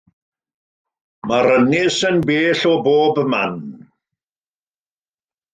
Mae'r ynys yn bell o bob man.